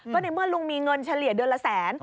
ก็ในเมื่อลุงมีเงินเฉลี่ยเดือนละแสน